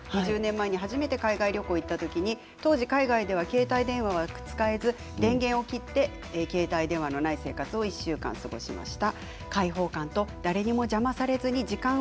１０年前に初めて海外旅行に行った時当時海外での携帯電話は使えず電源を切って携帯電話のない生活を１週間過ごしました。